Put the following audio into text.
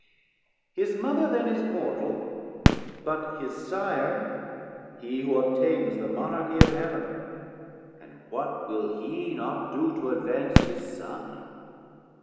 His Mother then is mortal, but his Sire, He who obtains the Monarchy of Heav'n, And what will he not do to advance his Son?